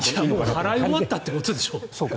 払い終わったってことでしょ。